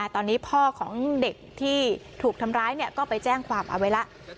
ตอนนี้พ่อของเด็กที่ถูกทำร้ายก็ไปแจ้งความเอาไว้แล้ว